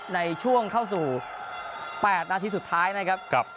ในช่วงเข้าสู่๘นาทีสุดท้ายนะครับ